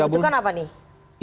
yang dibutuhkan apa nih